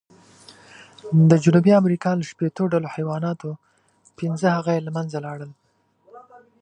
د جنوبي امریکا له شپېتو ډولو حیواناتو، پینځه هغه یې له منځه لاړل.